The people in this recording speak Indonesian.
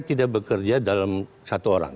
tidak bekerja dalam satu orang